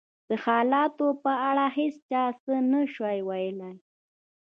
د حالاتو په اړه هېڅ چا څه نه شوای ویلای.